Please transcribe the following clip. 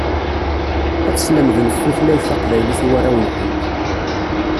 Ad teslemdemt tutlayt taqbaylit i warraw-nkent.